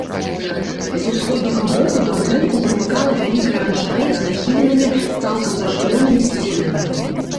З усходняга боку да будынку прымыкала вялікая аранжарэя з нахіленымі, цалкам зашклёнымі сценамі.